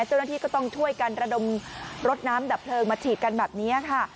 เจ้าหน้าที่ก็ต้องช่วยกันระดมรถน้ำดับเพลิงมาฉีดกันแบบนี้ค่ะ